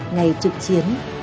ngày trực chiến